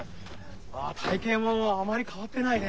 体形もあまり変わってないね。